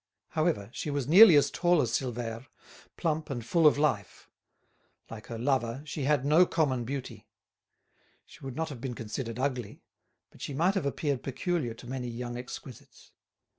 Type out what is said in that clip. However, she was nearly as tall as Silvère, plump and full of life. Like her lover, she had no common beauty. She would not have been considered ugly, but she might have appeared peculiar to many young exquisites.